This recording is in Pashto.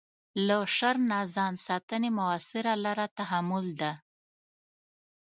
له شر نه ځان ساتنې مؤثره لاره تحمل ده.